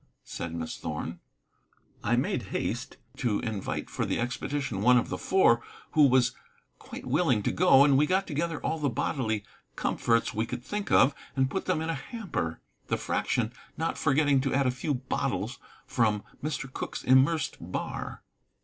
said Miss Thorn. I made haste to invite for the expedition one of the Four, who was quite willing to go; and we got together all the bodily comforts we could think of and put them in a hamper, the Fraction not forgetting to add a few bottles from Mr. Cooke's immersed bar.